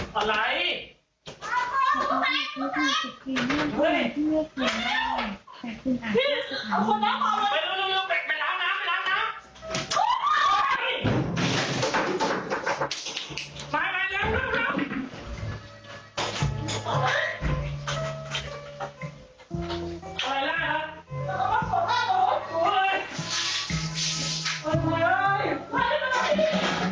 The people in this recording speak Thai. พี่เฮ้ยอะไร